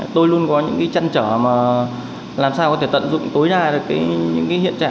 tôi luôn có những chân trở làm sao có thể tận dụng tối đa